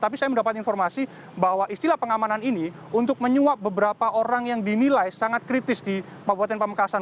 tapi saya mendapat informasi bahwa istilah pengamanan ini untuk menyuap beberapa orang yang dinilai sangat kritis di kabupaten pamekasan